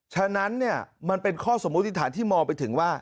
ฉะนั้นมันเป็นข้อสมมุติฐานที่มองไปถึงว่า